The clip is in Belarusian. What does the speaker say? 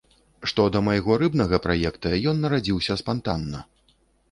Што да майго рыбнага праекта, ён нарадзіўся спантанна.